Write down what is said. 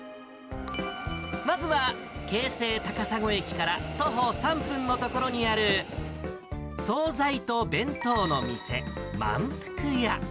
まずは、京成高砂駅から徒歩３分の所にある惣菜と弁当の店、まんぷくや。